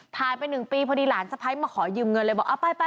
ถ่ายไป๑ปีพอดีหลานสะพ้ายมาขอยืมเงินเลยบอกเอาไป